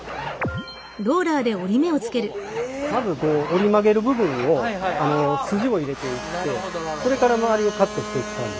まず折り曲げる部分を筋を入れていってそれから周りをカットしていく感じ。